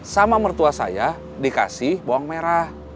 sama mertua saya dikasih bawang merah